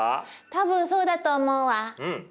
多分そうだと思うわ。